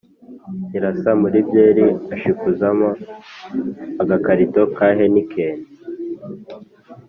irasa muri byeri ashikuzamo agakarito ka heniken(heinekein